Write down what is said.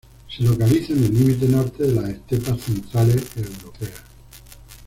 Se localiza en el límite norte de las estepas centrales europeas.